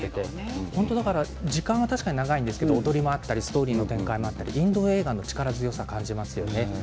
時間は確かに長いんですが踊りもあったりストーリーの展開もあったりインド映画の力強さを感じますよね。